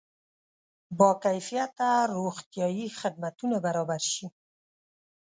با کیفیته روغتیایي خدمتونه برابر شي.